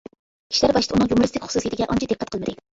كىشىلەر باشتا ئۇنىڭ يۇمۇرىستىك خۇسۇسىيىتىگە ئانچە دىققەت قىلمىدى.